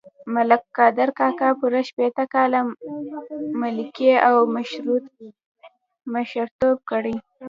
ملک قادر کاکا پوره شپېته کاله ملکي او مشرتوب کړی.